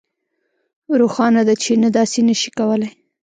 روښانه ده چې نه داسې نشئ کولی